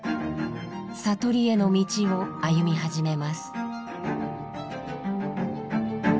悟りへの道を歩み始めます。